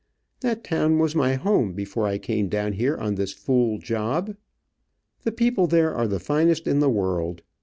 That town was my home before I came down here on this fool job. The people there are the finest in the world.